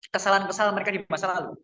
kesalahan kesalahan mereka di masa lalu